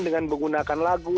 dengan menggunakan lagu